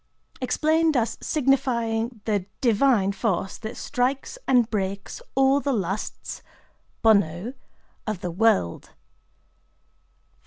Explained as signifying the divine force that "strikes and breaks all the lusts (bonnō) of the world."